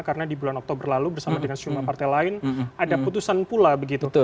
karena di bulan oktober lalu bersama dengan sejumlah partai lain ada putusan pula begitu